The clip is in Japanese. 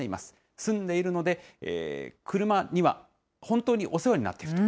住んでいるので、車には本当にお世話になっていると。